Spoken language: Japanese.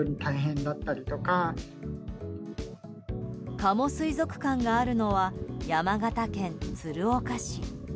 加茂水族館があるのは山形県鶴岡市。